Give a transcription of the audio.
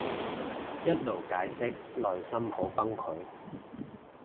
一路解釋內心好崩潰